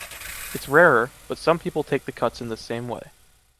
It’s rarer, but some people take the cuts in this same way.